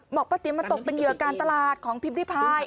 บอกประติมมาตกเป็นเยือการตลาดของพิมพ์ริพาย